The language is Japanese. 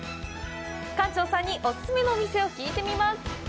館長さんにお勧めのお店を聞いてみます。